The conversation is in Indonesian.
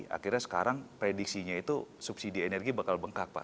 akhirnya sekarang prediksinya itu subsidi energi bakal bengkak pak